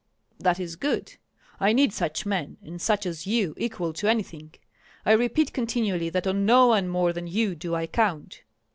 "That is good! I need such men, and such as you, equal to anything. I repeat continually that on no one more than you do I count."